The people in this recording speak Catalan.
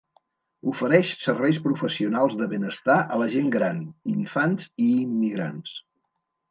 Ofereix serveis professionals de benestar a la gent gran, infants i immigrants.